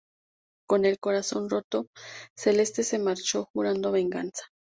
Con el corazón roto, Celeste se marchó jurando venganza.